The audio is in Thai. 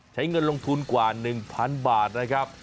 ใช้เงินลงทุนกว่า๑๐๐๐บาทนะครับ